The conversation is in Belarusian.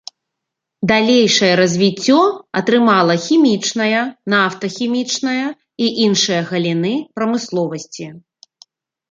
Далейшае развіццё атрымала хімічная, нафтахімічная і іншыя галіны прамысловасці.